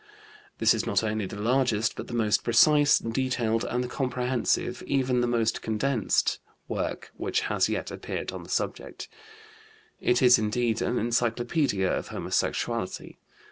This is not only the largest but the most precise, detailed, and comprehensive even the most condensed work which has yet appeared on the subject. It is, indeed, an encyclopedia of homosexuality.